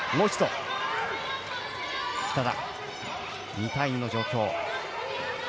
２対２の状況です。